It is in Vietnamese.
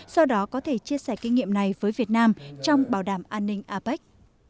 do đó có thể chia sẻ kinh nghiệm này với việt nam trong bảo đảm an ninh apec